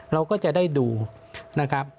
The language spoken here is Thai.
เราก็จะได้ดูนะครับ